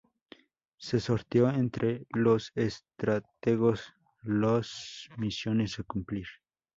Se sorteó entre los estrategos las misiones a cumplir.